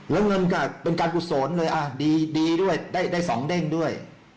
แล้วเงินก็เป็นการกุศลเลยดีด้วยได้๒เด้งด้วย